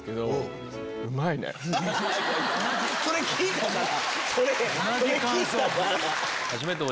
それ聞いたから。